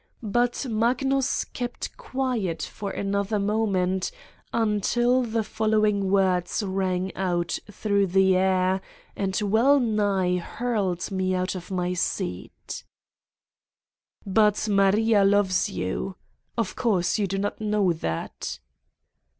But Magnus kept quiet for another mo ment, until the following words rang out through the air and well nigh hurled me out of my seat : "But Maria loves you. Of course, you do not know that!"